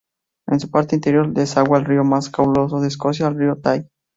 En su parte interior desagua el río más caudaloso de Escocia, el río Tay.